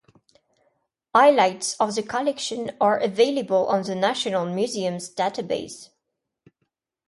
Highlights of the collection are available on the National Museums database.